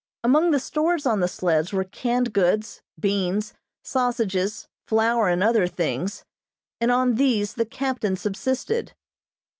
Among the stores on the sleds were canned goods, beans, sausages, flour and other things, and on these the captain subsisted.